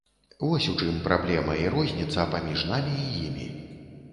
Вось у чым праблема і розніца паміж намі і імі.